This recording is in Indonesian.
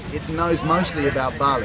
mereka tahu terutama tentang bali